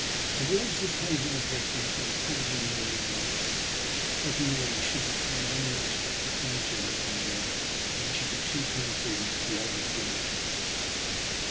Towards this haven of refuge I accordingly made my way, hoping that I should not find any unexpected danger lurking there when I should be too close in to be able to get out again.